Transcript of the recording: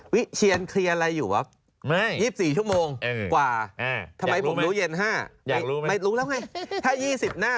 แล้วก็มีแผนที่เขตรักษาพันธุ์สัตว์ป่า